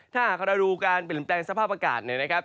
ถ้าหากเราดูการเปลี่ยนแปลงสภาพอากาศเนี่ยนะครับ